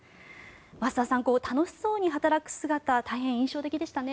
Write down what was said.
増田さん、楽しそうに働く姿が大変印象的でしたね。